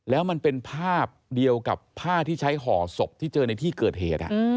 แล้วมันเป็นภาพเดียวกับผ้าที่ใช้ห่อศพที่เจอในที่เกิดเหตุ